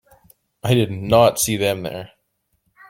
I did not see them there.